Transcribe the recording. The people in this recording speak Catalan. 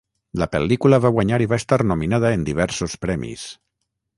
La pel·lícula va guanyar i va estar nominada en diversos premis.